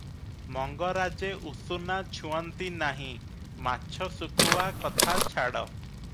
ମଙ୍ଗରାଜେ ଉଷୁନା ଛୁଅନ୍ତି ନାହିଁ ମାଛ ଶୁଖୁଆ କଥାଛାଡ଼ ।